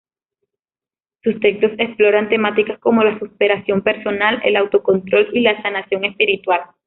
Sus textos exploran temáticas como la superación personal, el autocontrol y la sanación espiritual.